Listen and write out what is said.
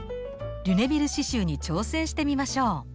リュネビル刺しゅうに挑戦してみましょう！